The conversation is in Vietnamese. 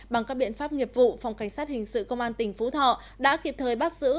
bằng các biện pháp nghiệp vụ phòng cảnh sát hình sự công an tỉnh phú thọ đã kịp thời bắt giữ